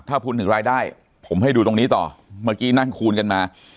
ถ้าพูดถึงรายได้ผมให้ดูตรงนี้ต่อเมื่อกี้นั่งคูณกันมา